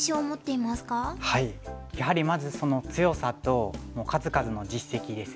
やはりまずその強さと数々の実績ですよね。